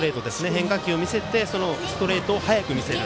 変化球を見せてそのストレートを早く見せる。